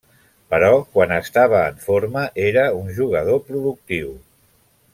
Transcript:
Però quan estava en forma era un jugador productiu.